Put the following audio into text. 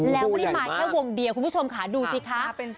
แล้วไม่ได้มาแค่วงเดียวคุณผู้ชมค่ะดูสิคะ